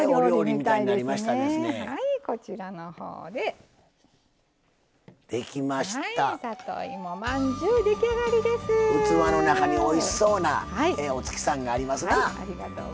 器の中に、おいしそうなお月さんがありますね。